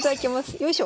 よいしょ。